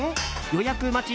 予約待ち